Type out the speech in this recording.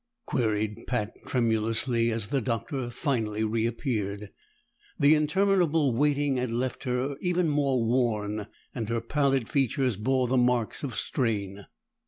queried Pat tremulously as the Doctor finally reappeared. The interminable waiting had left her even more worn, and her pallid features bore the marks of strain.